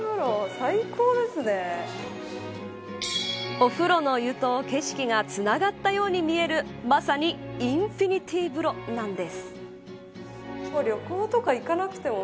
お風呂の湯と景色がつながったように見えるまさに、インフィニティー風呂なんです。